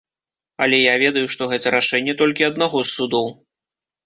Але я ведаю, што гэта рашэнне толькі аднаго з судоў.